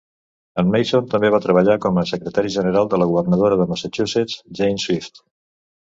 En Mason també va treballar com a secretari general de la governadora de Massachusetts, Jane Swift.